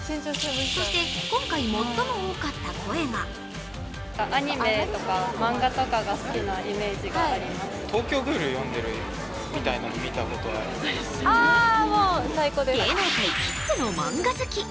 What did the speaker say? そして今回、最も多かった声が芸能界きっての漫画好き。